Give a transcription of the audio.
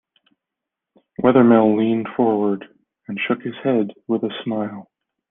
Wethermill leaned forward and shook his head with a smile.